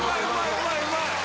うまいうまい！